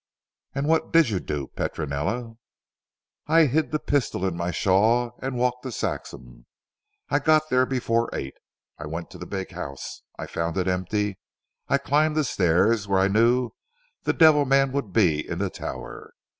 "And what did you do Petronella?" "I hid the pistol in my shawl and walked to Saxham. I got there before eight. I went to the big house, I found it empty. I climbed the stair where I knew the devil man would be in the tower.